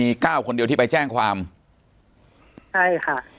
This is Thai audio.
ปากกับภาคภูมิ